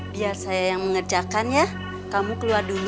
biar saya yang mengerjakan ya kamu keluar dulu